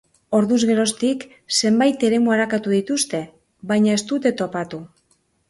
Orduz geroztik zenbait eremu arakatu dituzte, baina ez dute topatu.